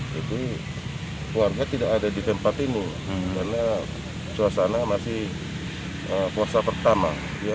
jadi warga tidak ada di tempat ini karena suasana masih kuasa pertama